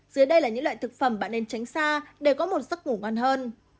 dưới đây là những loại thực phẩm bạn nên tránh xa để có một giấc ngủ ngon hơn